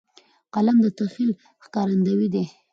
قلم د تخیل ښکارندوی دی